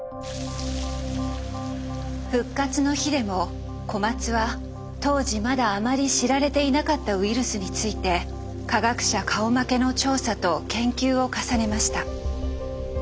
「復活の日」でも小松は当時まだあまり知られていなかったウイルスについて科学者顔負けの調査と研究を重ねました。